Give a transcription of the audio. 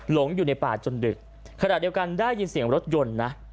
หลงอยู่ในป่าจนดึกขณะเดียวกันได้ยินเสียงรถยนต์นะ